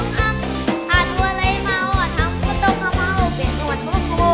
ขอบคุณครับ